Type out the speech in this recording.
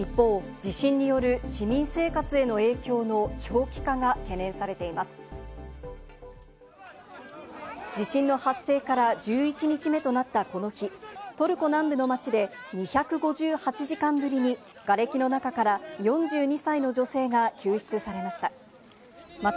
地震の発生から１１日目となったこの日、トルコ南部の街で２５８時間ぶりにがれきの中から４２歳の女性が救出されました。